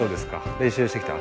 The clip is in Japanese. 練習してきた？